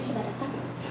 alokaternya sudah datang